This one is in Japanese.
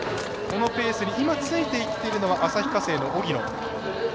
このペースに今ついていっているのは旭化成の荻野。